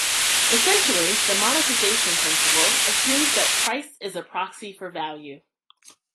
Essentially, the monestisation principle assumes that price is a proxy for value.